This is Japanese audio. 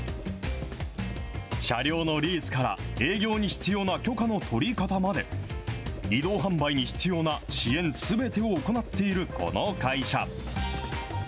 車両のリースから営業に必要な許可の取り方まで、移動販売に必要な支援すべてを行っているこの会社。